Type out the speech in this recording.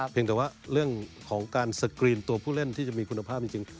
แต่ว่าเรื่องของการสกรีนตัวผู้เล่นที่จะมีคุณภาพจริง